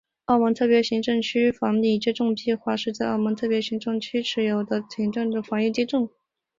澳门特别行政区防疫接种计划是在澳门特别行政区持续地有系统地进行的防疫接种。